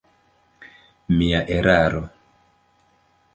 Mia eraro.